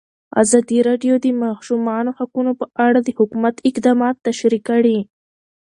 ازادي راډیو د د ماشومانو حقونه په اړه د حکومت اقدامات تشریح کړي.